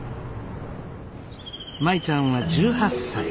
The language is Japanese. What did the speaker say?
舞ちゃんは１８歳。